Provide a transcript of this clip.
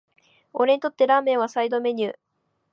俺にとってラーメンはサイドメニュー